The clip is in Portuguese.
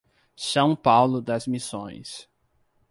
São Paulo das Missões